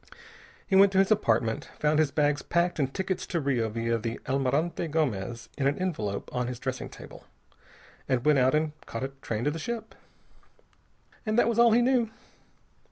He went to his apartment, found his bags packed and tickets to Rio via the Almirante Gomez in an envelope on his dressing table, and went out and caught a train to the ship. And that was all he knew.